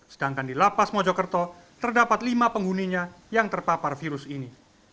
sedangkan di lapas mojokerto terdapat lima penghuninya yang terpapar virus ini